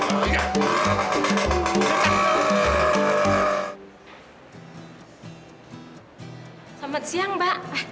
selamat siang mbak